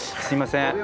すいません。